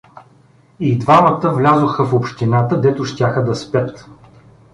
И двамата влязоха в общината, дето щяха да спят.